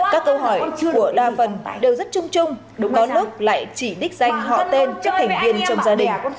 các câu hỏi của đa phần đều rất chung chung đúng không nước lại chỉ đích danh họ tên các thành viên trong gia đình